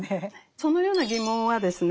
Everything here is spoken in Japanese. そのような疑問はですね